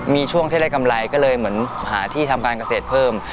มีช่วงที่ได้กำไรก็เลยเหมือนหาที่ทำการเกษตรเพิ่ม